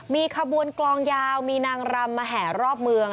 มีขบวนกลองยาวมีนางรำมาแห่รอบเมือง